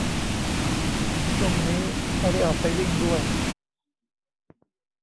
ช่วงนี้ไม่ได้ออกไปวิ่งด้วย